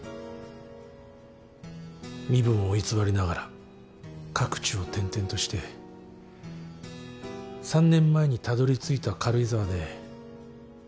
身分を偽りながら各地を転々として３年前にたどりついた軽井沢で。